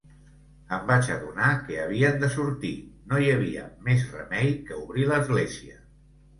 Em vaig adonar que havien de sortir, no hi havia més remei que obrir l'església.